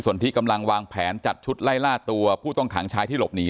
ส่วนที่กำลังวางแผนจัดชุดไล่ล่าตัวผู้ต้องขังชายที่หลบหนี